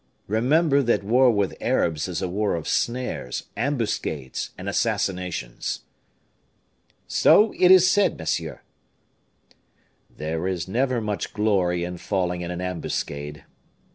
Remember that war with Arabs is a war of snares, ambuscades, and assassinations." "So it is said, monsieur." "There is never much glory in falling in an ambuscade.